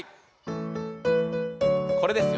これですよね